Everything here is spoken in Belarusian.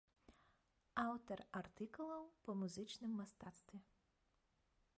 Аўтар артыкулаў па музычным мастацтве.